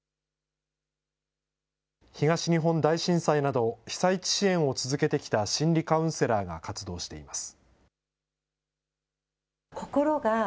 東日本大震災など、被災地支援を続けてきた心理カウンセラーが活動しています。